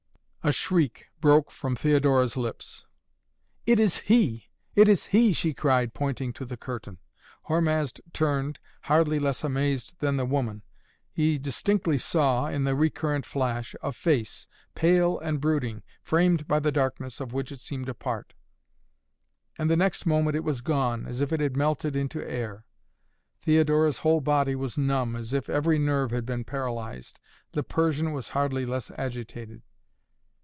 A shriek broke from Theodora's lips. "It is he! It is he!" she cried pointing to the curtain. Hormazd turned, hardly less amazed than the woman. He distinctly saw, in the recurrent flash, a face, pale and brooding, framed by the darkness, of which it seemed a part. At the next moment it was gone, as if it had melted into air. Theodora's whole body was numb, as if every nerve had been paralyzed. The Persian was hardly less agitated.